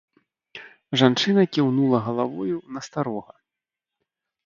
Жанчына кіўнула галавою на старога.